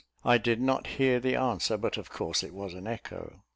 I did not hear the answer, but of course it was an echo.